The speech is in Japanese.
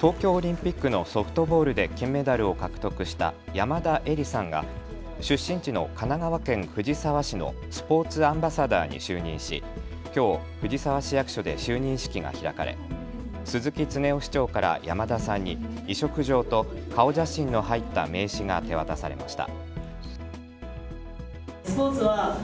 東京オリンピックのソフトボールで金メダルを獲得した山田恵里さんが出身地の神奈川県藤沢市のスポーツアンバサダーに就任しきょう藤沢市役所で就任式が開かれ鈴木恒夫市長から山田さんに委嘱状と顔写真の入った名刺が手渡されました。